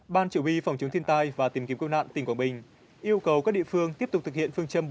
ban chủ bi phòng chống thiên tai và tìm kiếm cơ nạn tỉnh quảng bình yêu cầu các địa phương tiếp tục thực hiện phương châm bốn